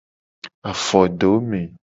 Afodome.